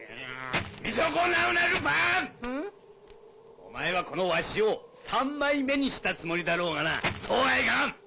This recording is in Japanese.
お前はこのわしを三枚目にしたつもりだろうがなそうはいかん！